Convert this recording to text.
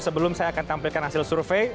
sebelum saya akan tampilkan hasil survei